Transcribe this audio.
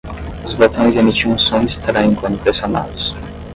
Os botões emitiam um som estranho quando pressionados.